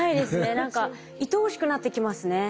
何かいとおしくなってきますね。